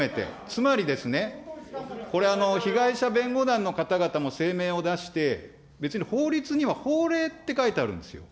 つまりですね、これ、被害者弁護団の方々も声明を出して、別に法律には法令って書いてあるんですよ。